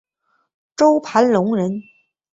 周盘龙人。